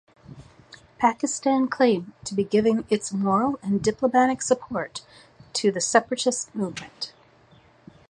Pakistan claimed to be giving its "moral and diplomatic" support to the separatist movement.